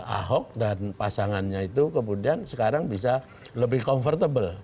ahok dan pasangannya itu kemudian sekarang bisa lebih comfortable